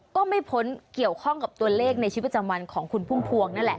ก็ไม่พ้นเกี่ยวข้องกับตัวเลขในชีวิตประจำวันของคุณพุ่มพวงนั่นแหละ